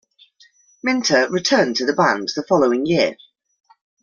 Minter returned to the band the following year.